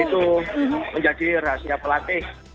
dan itu menjadi rahasia pelatih